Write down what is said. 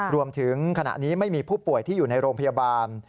รวมถึงขณะนี้ไม่มีผู้ป่วยที่อยู่ในโรงพยาบาล